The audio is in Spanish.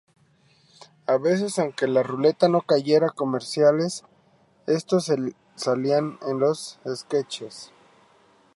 A veces aunque la ruleta no cayera comerciales, estos salían en los sketches.